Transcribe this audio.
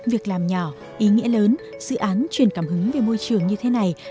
việc làm nhỏ ý nghĩa lớn dự án truyền cảm hứng về môi trường như thế này